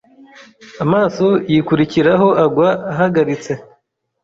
Amaso yikurikiraho agwa ahagaritse